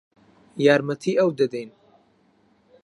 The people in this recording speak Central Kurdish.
یارمەتیی ئەو دەدەین.